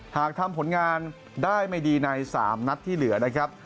หากทำผลงานได้ไม่ดีใน๓นัดที่เหลือนะครับ